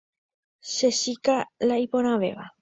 Che chíka la iporãvéva.